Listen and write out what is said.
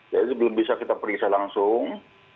jadi belum bisa kita periksa langsung